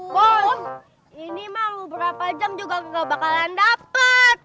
bom ini mau berapa jam juga gak bakalan dapat